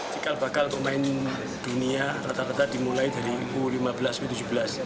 cikal bakal pemain dunia rata rata dimulai dari u lima belas u tujuh belas